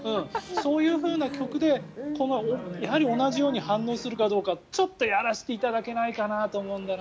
そういうふうな曲で同じように反応するかちょっとやらせていただけないかなと思うんだな。